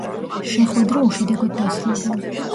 შეხვედრა უშედეგოდ დასრულდა.